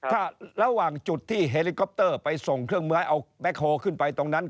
ถ้าระหว่างจุดที่เฮลิคอปเตอร์ไปส่งเครื่องไม้เอาแบ็คโฮลขึ้นไปตรงนั้น